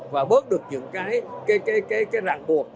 và bớt được những cái rạn buộc